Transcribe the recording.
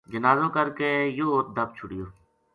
جنازو کر کے یوہ اُت دَب چھُڑیو